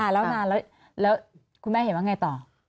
แล้วนานแล้วคุณแม่เห็นว่าไงต่อ